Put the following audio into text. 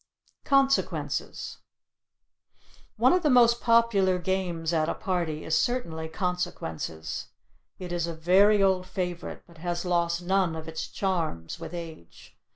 CONSEQUENCES One of the most popular games at a party is certainly "Consequences"; it is a very old favorite, but has lost none of its charms with age.